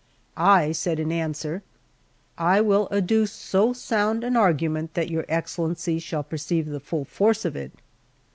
I said in answer: "I will adduce so sound an argument that your Excellency shall perceive the full force of it."